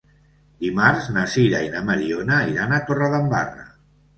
Dimarts na Sira i na Mariona iran a Torredembarra.